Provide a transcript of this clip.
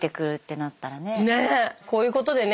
こういうことでね